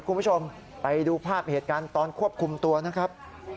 คุณผู้ชมไปดูภาพเหตุการณ์ตอนควบคุมตัวนะครับ